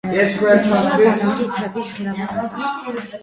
Եղել է բանակի թևի հրամանատար։